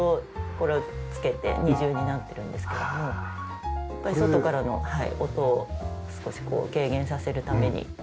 これをつけて２重になっているんですけどもやっぱり外からの音を少し軽減させるために。